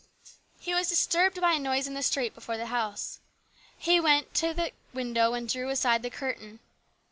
He was disturbed by a noise in the street before the house. He went to the window and drew aside the curtain.